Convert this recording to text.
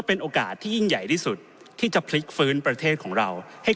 เป็นโอกาสที่ยิ่งใหญ่ที่สุดที่จะพลิกฟื้นประเทศของเราให้